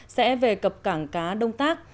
sẽ về cập cảng cá đông tác